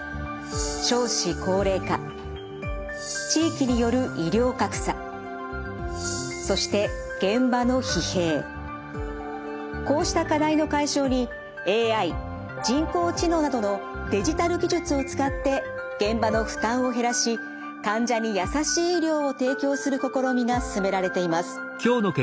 少子高齢化地域による医療格差そしてこうした課題の解消にＡＩ人工知能などのデジタル技術を使って現場の負担を減らし患者に優しい医療を提供する試みが進められています。